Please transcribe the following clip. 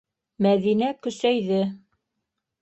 Мәҙинә көсәйҙе.